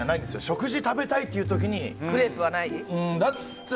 食事食べたいという時にクレープは。